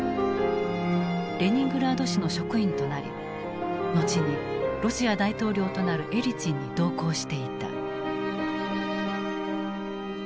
レニングラード市の職員となり後にロシア大統領となるエリツィンに同行していた。